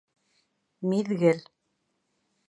Миҙгел